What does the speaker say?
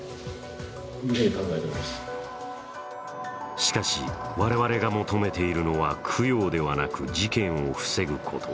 しかし、我々が求めているのは供養ではなく事件を防ぐこと。